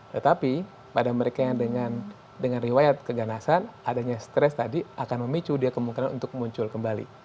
tetapi pada mereka yang dengan riwayat keganasan adanya stres tadi akan memicu dia kemungkinan untuk muncul kembali